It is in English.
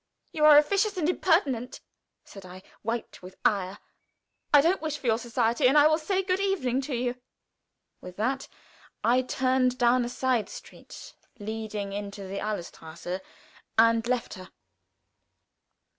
"You are officious and impertinent," said I, white with ire. "I don't wish for your society, and I will say good evening to you." With that I turned down a side street leading into the Alléestrasse, and left her.